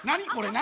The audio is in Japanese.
何？